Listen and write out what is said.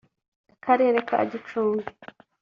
Akarere ka Gicumbi